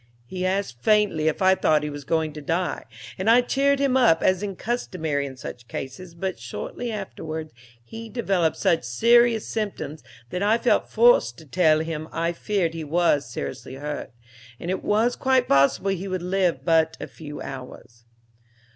He asked faintly if I thought he was going to die, and I cheered him up, as is customary in such cases, but shortly afterwards he developed such serious symptoms that I felt forced to tell him I feared he was seriously hurt, and it was quite possible he would live but a few hours.